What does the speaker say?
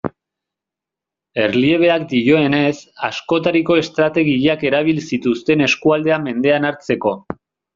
Erliebeak dioenez, askotariko estrategiak erabili zituzten eskualdea mendean hartzeko.